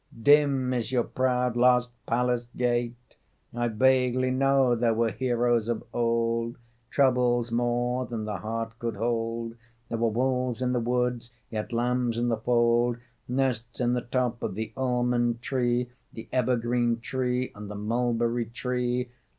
Dim is your proud lost palace gate. I vaguely know There were heroes of old, Troubles more than the heart could hold, There were wolves in the woods Yet lambs in the fold, Nests in the top of the almond tree.... The evergreen tree ... and the mulberry tree